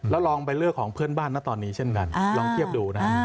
แล้วลองไปเลือกของเพื่อนบ้านนะตอนนี้เช่นกันลองเทียบดูนะ